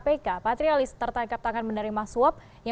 kpk patrialis tertangkap tangan menerima suap